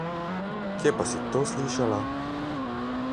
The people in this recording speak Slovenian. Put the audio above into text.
Kje pa si to slišala?